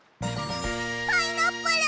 パイナップル！